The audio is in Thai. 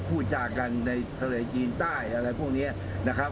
พูดจากันในทะเลจีนใต้อะไรพวกนี้นะครับ